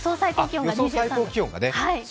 予想最高気温がね。